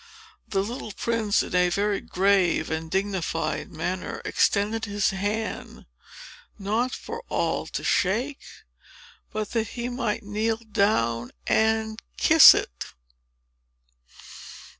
The little prince in a very grave and dignified manner, extended his hand, not for Noll to shake, but that he might kneel down and kiss it.